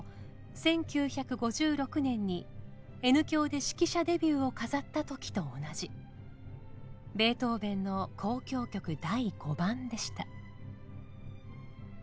１９５６年にＮ響で指揮者デビューを飾った時と同じベートーベンの「交響曲第５番」でした。